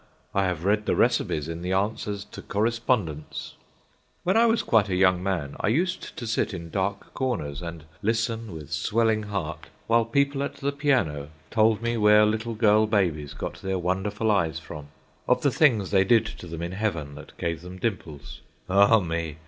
I have read the recipes in the Answers to Correspondents. When I was quite a young man I used to sit in dark corners and listen, with swelling heart, while people at the piano told me where little girl babies got their wonderful eyes from, of the things they did to them in heaven that gave them dimples. Ah me!